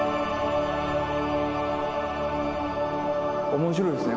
面白いですね。